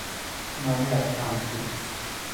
Má wé akáme jú.